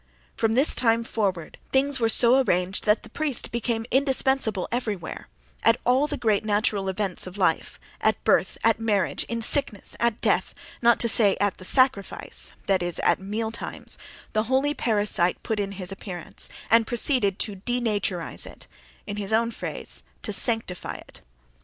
From this time forward things were so arranged that the priest became indispensable everywhere; at all the great natural events of life, at birth, at marriage, in sickness, at death, not to say at the "sacrifice" (that is, at meal times), the holy parasite put in his appearance, and proceeded to denaturize it—in his own phrase, to "sanctify" it....